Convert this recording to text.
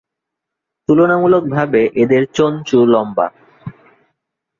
তুলনামূলকভাবে এদের চঞ্চু লম্বা।